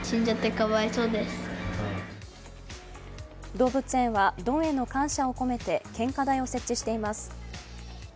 動物園はドンへの感謝を込めて献花台を設置しています。